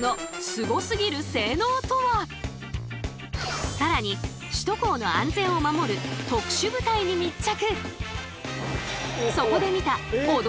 その更に首都高の安全を守る特殊部隊に密着。